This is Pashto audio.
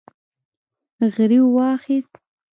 غريو واخيست.